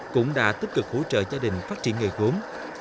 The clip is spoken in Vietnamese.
cũng đã tích cực hỗ trợ gia đình phát triển nghề gốm